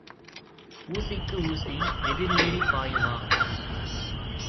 ஊசிக்கு ஊசி எதிர் ஏறிப் பாயுமா?